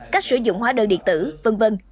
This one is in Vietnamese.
cách sử dụng hóa đơn điện tử v v